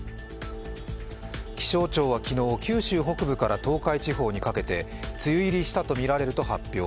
気象庁は昨日九州北部から東海地方にかけて梅雨入りしたとみられると発表。